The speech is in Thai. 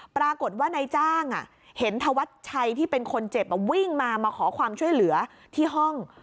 ปรากฏว่านายจ้างเห็นธวัชชัยที่เป็นคนเจ็บวิ่งมามาขอความช่วยเหลือที่ห้อง